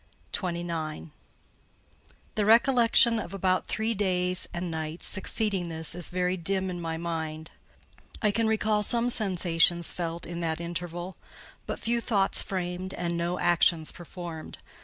CHAPTER XXIX The recollection of about three days and nights succeeding this is very dim in my mind. I can recall some sensations felt in that interval; but few thoughts framed, and no actions performed.